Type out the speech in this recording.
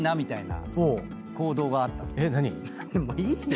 もういいよ。